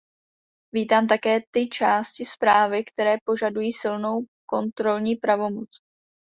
Vítám také ty části zprávy, které požadují silnou kontrolní pravomoc.